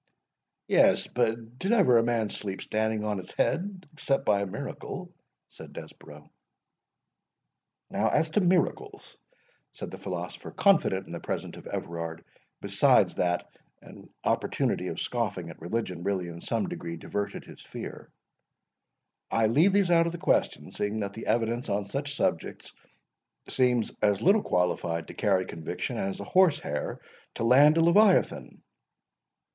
"Yes, but did ever a man sleep standing on his head, except by miracle?" said Desborough. "Now, as to miracles"—said the philosopher, confident in the presence of Everard, besides that an opportunity of scoffing at religion really in some degree diverted his fear—"I leave these out of the question, seeing that the evidence on such subjects seems as little qualified to carry conviction as a horse hair to land a leviathan."